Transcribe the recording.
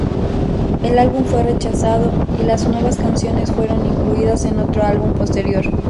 El álbum fue rechazado, y las nuevas canciones fueron incluidas en otro álbum posterior.